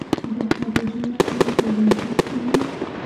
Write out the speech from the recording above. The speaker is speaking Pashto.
د هریرود سیند په لویدیځ کې دی